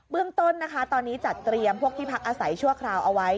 เรื่องต้นนะคะตอนนี้จัดเตรียมพวกที่พักอาศัยชั่วคราวเอาไว้